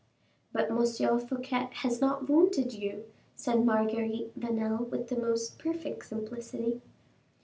"But M. Fouquet has not wounded you," said Marguerite Vanel, with the most perfect simplicity.